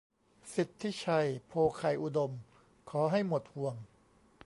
สิทธิชัย โภไคยอุดม : ขอให้หมดห่วง